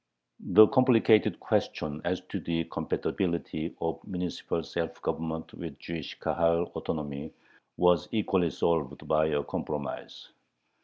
The complicated question as to the compatibility of municipal self government with Jewish Kahal autonomy was equally solved by a compromise.